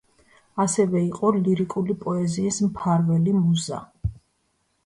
ასევე იყო ლირიკული პოეზიის მფარველი მუზა.